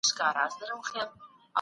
علي محمد مخلص انسي کندهارى